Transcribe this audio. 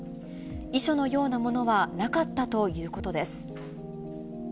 遺書のようなものはなかったということです。